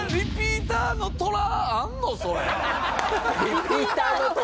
「リピーターの虎」。